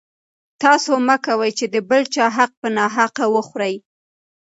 تاسو مه کوئ چې د بل چا حق په ناحقه وخورئ.